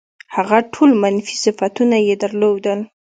هغه ټول منفي صفتونه یې درلودل.